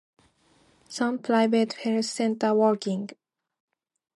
Some private health center working.